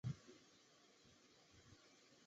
滨海埃尔芒维尔。